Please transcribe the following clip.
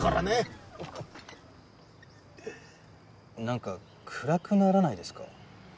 なんか暗くならないですか？